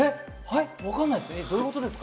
わかんないです。